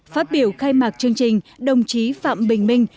phát biểu khai mạc chương trình đồng chí phạm bình minh